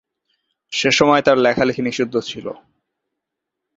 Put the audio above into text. সেসময় তার লেখা-লেখি নিষিদ্ধ ছিল।